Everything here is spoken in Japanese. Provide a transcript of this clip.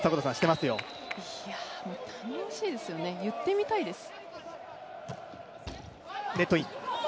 いや、頼もしいですよね言ってみたいです。